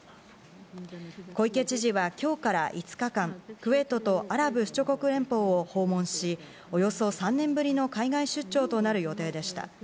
小池知事は今日から５日間、クウェートとアラブ首長国連邦を訪問し、およそ３年ぶりの海外出張となる予定でした。